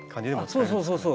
そうそうそうそう。